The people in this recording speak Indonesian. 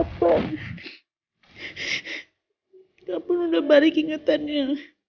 gak pun udah balik ingetannya